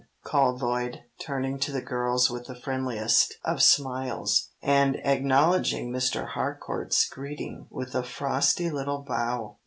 called Lloyd, turning to the girls with the friendliest of smiles, and acknowledging Mr. Harcourt's greeting with a frosty little bow.